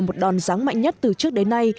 một đòn ráng mạnh nhất từ trước đến nay